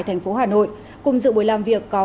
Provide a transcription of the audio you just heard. thành phố hà nội cùng dự buổi làm việc có